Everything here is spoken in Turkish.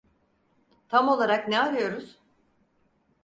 Tam olarak ne arıyoruz?